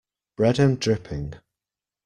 Bread and dripping.